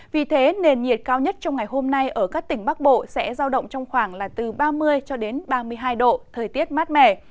vì thế nền nhiệt cao nhất trong ngày hôm nay ở các tỉnh bắc bộ sẽ giao động trong khoảng là từ ba mươi cho đến ba mươi hai độ thời tiết mát mẻ